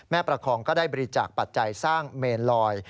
ประคองก็ได้บริจาคปัจจัยสร้างเมนลอย